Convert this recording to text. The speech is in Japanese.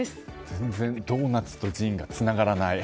全然、ドーナツとジンがつながらない。